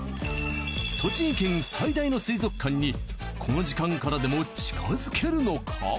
栃木県最大の水族館にこの時間からでも近づけるのか？